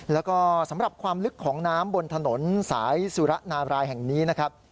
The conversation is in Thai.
แล้วก็สำหรับความลึกของน้ำบนถนนสายสุระนาบรายแห่งนี้นะครับ